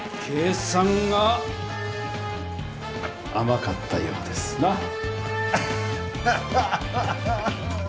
計算があまかったようですな！